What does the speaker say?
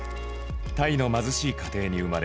タイの貧しい家庭に生まれ